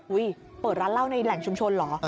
เปิดร้านเหล้าในแหล่งชุมชนเหรอ